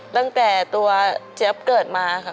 ตั้งแต่ตัวเจี๊ยบเกิดมาค่ะ